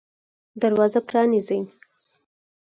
دروازه پرانیزئ